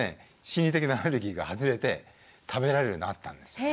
心理的なアレルギーが外れて食べられるようになったんです。